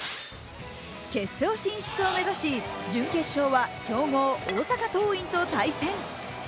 決勝進出を目指し、準決勝は強豪・大阪桐蔭と対戦。